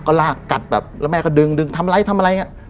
ก็ลากกัดแบบแล้วแม่ก็ดึงดึงทำไร้ทำอะไรอย่างนี้